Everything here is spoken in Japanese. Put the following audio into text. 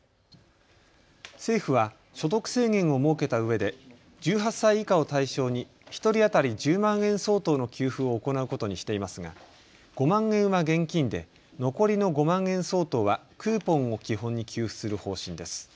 政府は所得制限を設けたうえで１８歳以下を対象に１人当たり１０万円相当の給付を行うことにしていますが５万円は現金で残りの５万円相当はクーポンを基本に給付する方針です。